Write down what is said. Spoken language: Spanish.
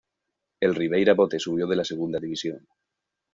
El Ribeira Bote subió de la segunda división.